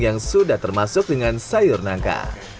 yang sudah termasuk dengan sayur nangka